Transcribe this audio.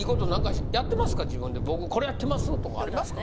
自分で僕これやってますとかありますか？